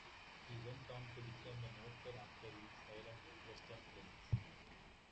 He went on to become a noted actor in silent Western films.